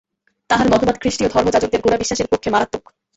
তাঁহার মতবাদ খ্রীষ্টীয় ধর্মযাজকদের গোঁড়া বিশ্বাসের পক্ষে মারাত্মক।